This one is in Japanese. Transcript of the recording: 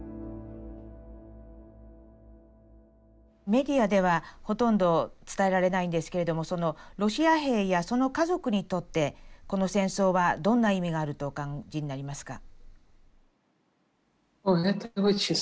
メディアではほとんど伝えられないんですけれどもロシア兵やその家族にとってこの戦争はどんな意味があるとお感じになりますか？